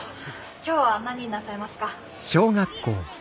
今日は何になさいますか？